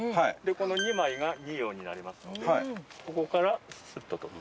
この２枚が二葉になりますのでここからスッと採る。